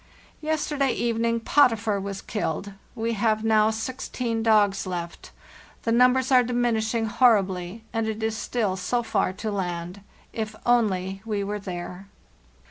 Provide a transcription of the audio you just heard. "Yesterday evening ' Potifar' was killed. We have now sixteen dogs left; the numbers are diminishing hor ribly, and it is still so far to land. If only we were there!